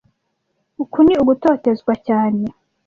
Uku ni ugutotezwa cyane